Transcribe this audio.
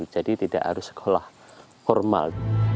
jadi tidak harus sekolah formal